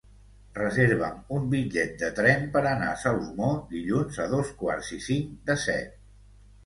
Reserva'm un bitllet de tren per anar a Salomó dilluns a dos quarts i cinc de set.